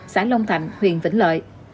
xã long thạnh huyện vĩnh lợi